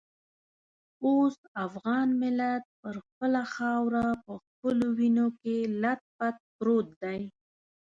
اوس افغان ملت پر خپله خاوره په خپلو وینو کې لت پت پروت دی.